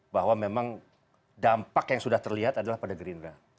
bahwa memang dampak yang sudah terlihat adalah pada gerindra